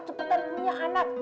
cepetan punya anak